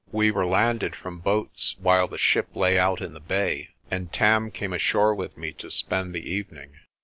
We were landed from boats while the ship lay out in the bay, and Tarn came ashore with me to spend the evening.